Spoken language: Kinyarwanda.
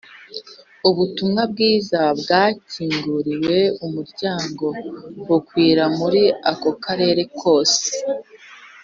ubutumwa bwiza bwakinguriwe umuryango bukwira muri ako karere kose